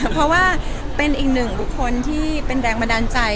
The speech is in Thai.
เพราะว่าเป็นอีกหนึ่งบุคคลที่เป็นแรงบันดาลใจ